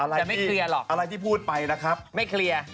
แต่ไม่เคลียร์หรอกไม่เคลียร์